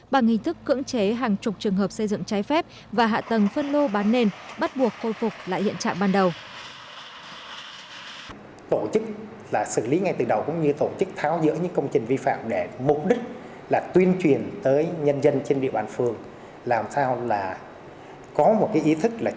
bằng hình thức cưỡng chế hàng chục trường hợp xây dựng trái phép và hạ tầng phân lô bán nền bắt buộc khôi phục lại hiện trạng ban đầu